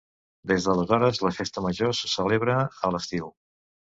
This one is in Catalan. Des d'aleshores la festa major se celebra a l'estiu.